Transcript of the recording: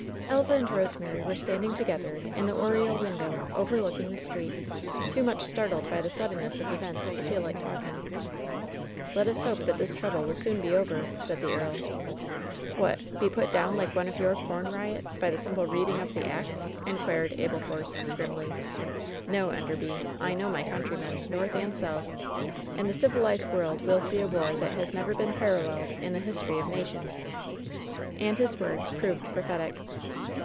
Elva and Rosemary were standing together in the oriel window overlooking the street, too much startled by the suddenness of events to feel like talking. "Let us hope that this trouble will soon be over," said the earl. "Whatl be put down like one of your com riots, by the simple reading of the ^act'l" inquired Abel Force, grimly. "No, Enderby! I know my countrymen. North and South. And the civilized world will see a war that has never been paralleled in the history of nations." And his words proved prophetic.